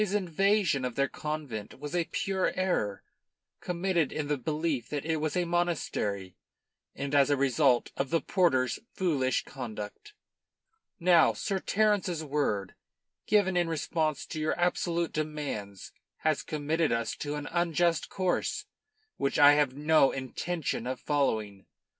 His invasion of their convent was a pure error, committed in the belief that it was a monastery and as a result of the porter's foolish conduct. "Now, Sir Terence's word, given in response to your absolute demands, has committed us to an unjust course, which I have no intention of following.